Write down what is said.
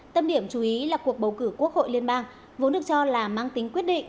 tâm điểm chú ý là cuộc bầu cử quốc hội liên bang vốn được cho là mang tính quyết định